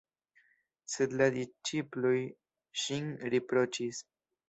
Sed la disĉiploj ŝin riproĉis.